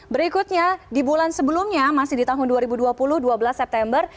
berikutnya di bulan sebelumnya masih di tahun dua ribu dua puluh dua belas september